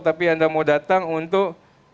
tapi anda mau datang untuk